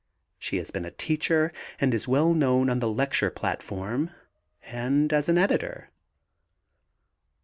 She has been a teacher and is well known on the lecture platform and as an editor.